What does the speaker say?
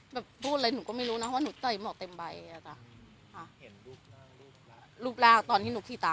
แบบพูดอะไรหนูก็ไม่รู้นะว่าหนูใจเหมาะเต็มใบ